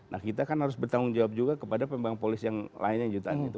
nah kita kan harus bertanggung jawab juga kepada pembang polis yang lainnya jutaan itu